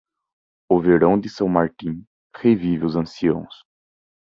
O verão de San Martín revive os anciãos.